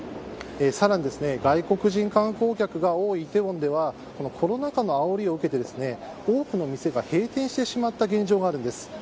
さらに外国人観光客が多い梨泰院ではコロナ禍のあおりを受けて多くの店が閉店してしまった現状があります。